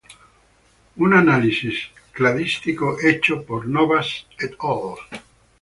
Un análisis cladístico hecho por Novas "et al".